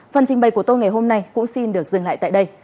phần trình bày của tôi ngày hôm nay cũng xin được dừng lại tại đây